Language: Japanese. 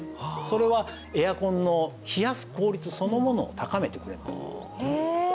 それはエアコンの冷やす効率そのものを高めてくれますへえ！